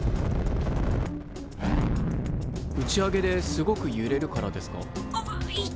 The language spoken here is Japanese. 打ち上げですごくゆれるからですか？